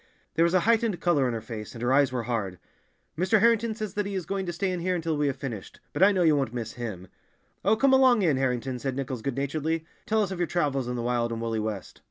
There was a heightened color in her face, and her eyes were hard. "Mr. Harrington says that he is going to stay in here until we have finished, but I know you won't miss him!" "Oh, come along in, Harrington," said Nichols good naturedly. "Tell us of your travels in the wild and woolly West."